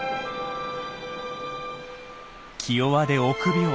気弱で臆病。